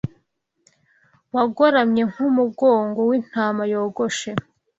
Wagoramye nkumugongo wintama, yogoshe